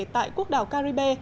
tại quốc đảo caribe